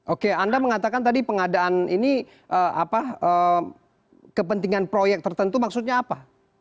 oke anda mengatakan tadi pengadaan ini kepentingan proyek tertentu maksudnya apa